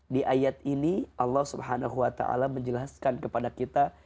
di ayat ini allah subhanahu wa ta'ala menjelaskan kepada kita